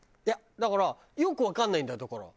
いやだからよくわかんないんだよ。